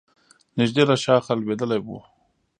نژدې له شاخه لوېدلی و.